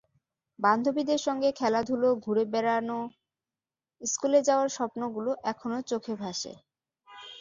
বান্ধবীদের সঙ্গে খেলাধুলা, ঘুরে বেড়ানো, স্কুলে যাওয়ার স্বপ্নগুলো এখনো চোখে ভাসে।